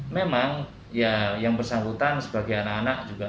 memang ya yang bersangkutan sebagai anak anak juga